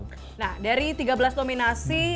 nah dari tiga belas nominasi